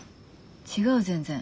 違う全然。